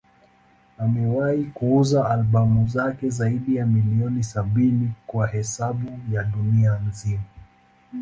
Amewahi kuuza albamu zake zaidi ya milioni sabini kwa hesabu ya dunia nzima.